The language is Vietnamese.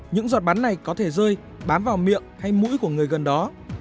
những giọt bắn này có thể rơi bám vào miệng hay mũi của người gần đó